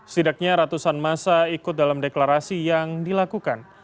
setidaknya ratusan masa ikut dalam deklarasi yang dilakukan